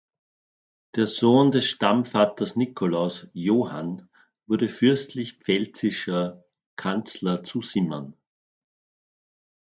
Der Sohn des Stammvaters Nikolaus, Johann, wurde fürstlich pfälzischer Kanzler zu Simmern.